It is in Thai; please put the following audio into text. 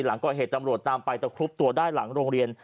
หลังก่อเหตุตำรวจตามไปตะครุบตัวได้หลังโรงเรียน